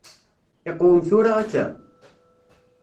Iqwem tura akka?